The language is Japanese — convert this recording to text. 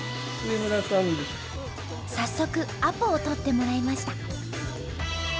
早速アポを取ってもらいました。